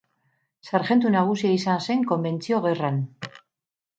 Sarjentu nagusia izan zen Konbentzio Gerran.